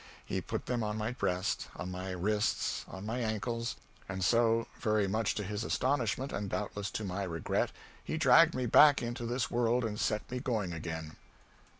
He put them on my breast, on my wrists, on my ankles; and so, very much to his astonishment and doubtless to my regret he dragged me back into this world and set me going again.